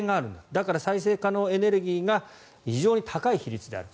だから再生可能エネルギーが非常に高い比率である。